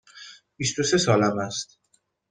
بیست و سه سالم است.